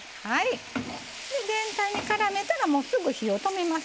全体にからめたらすぐ火を止めます。